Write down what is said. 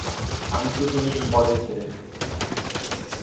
আমৃত্যু তিনি এই পদে ছিলেন।